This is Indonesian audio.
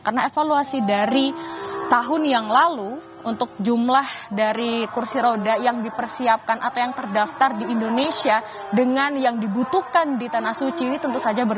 karena evaluasi dari tahun yang lalu untuk jumlah dari kursi roda yang dipersiapkan atau yang terdaftar di indonesia dengan yang dibutuhkan di tanah suci ini tentu saja berbeda